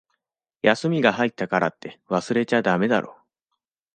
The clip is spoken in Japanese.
休みが入ったからって、忘れちゃだめだろ。